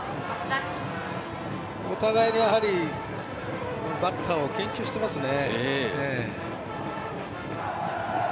お互いにバッターを研究していますね。